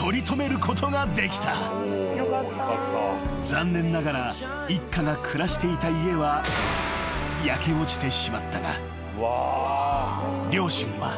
［残念ながら一家が暮らしていた家は焼け落ちてしまったが両親は］